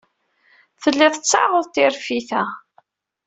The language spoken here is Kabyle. Telliḍ tettaɛuḍ tiṛeffit-a.